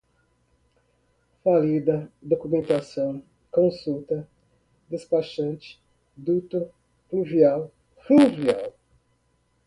Falida, documentação, consulta, despachante, duto pluvial, fluvial